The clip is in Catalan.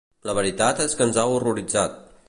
La veritat és que ens ha horroritzat.